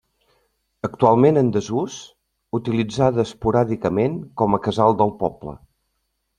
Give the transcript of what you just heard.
Actualment en desús, utilitzada esporàdicament com a casal del poble.